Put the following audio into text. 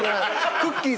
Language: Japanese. くっきー！